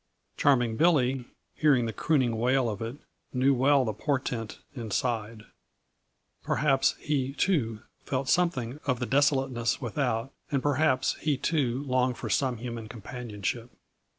Charming Billy, hearing the crooning wail of it, knew well the portent and sighed. Perhaps he, too, felt something of the desolateness without and perhaps he, too, longed for some human companionship.